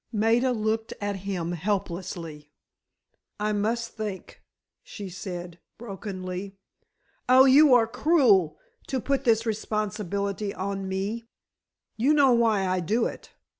Maida looked at him helplessly. "I must think," she said, brokenly. "Oh, you are cruel, to put this responsibility on me." "You know why I do it.